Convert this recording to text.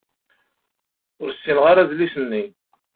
Ur ssineɣ ara adis-nni.